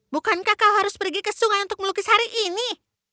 bukankah kau harus pergi ke sungai untuk melukis hari ini